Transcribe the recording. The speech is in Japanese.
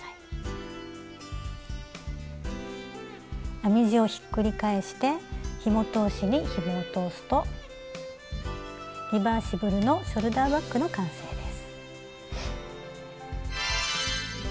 編み地をひっくり返してひも通しにひもを通すとリバーシブルのショルダーバッグの完成です。